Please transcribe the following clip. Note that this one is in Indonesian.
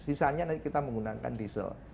sisanya nanti kita menggunakan diesel